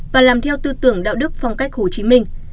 và làm theo tư tưởng đạo đức phong cách hồ chí minh